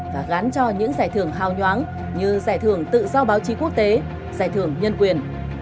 và gán cho những giải thưởng hào nhoáng như giải thưởng tự do báo chí quốc tế giải thưởng nhân quyền